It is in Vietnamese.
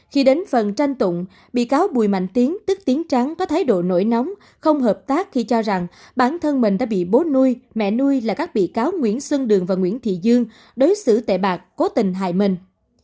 khi đến phần tranh tụng bị cáo bùi mạnh tiến tức tiến trắng có thái độ nổi nóng không hợp tác khi cho rằng bản thân mình đã bị bố nuôi mẹ nuôi là các bị cáo nguyễn xuân đường và nguyễn thị dương đối xử tệ bạc cố tình hài mình